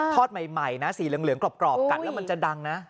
ใหม่นะสีเหลืองกรอบกัดแล้วมันจะดังนะ